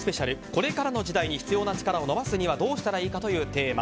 これからの時代に必要な力を伸ばすにはどうしたらいいかというテーマ。